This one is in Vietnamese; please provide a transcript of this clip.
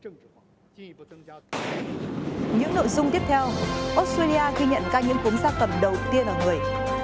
những nội dung tiếp theo australia ghi nhận ca nhiễm cúng gia tầm đầu tiên ở người